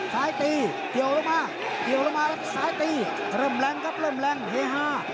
สายตีเตียวลงมาสายตีเริ่มแรงครับเริ่มแรงเฮฮ่า